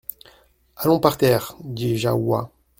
Allons par terre ! dit Jahoua.